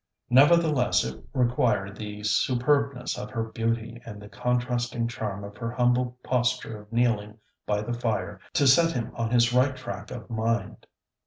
Nevertheless it required the superbness of her beauty and the contrasting charm of her humble posture of kneeling by the fire, to set him on his right track of mind.